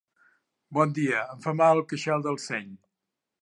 Bon dia, em fa mal el queixal del seny.